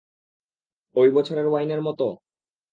ঐ বছরের ওয়াইনের মত?